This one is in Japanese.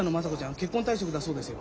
結婚退職だそうですよ。